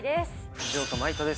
藤岡真威人です